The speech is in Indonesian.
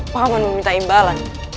paman meminta imbalan